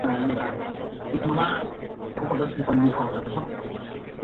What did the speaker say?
Así como sus estudios de Magisterio, en la especialidad de Pedagogía Musical.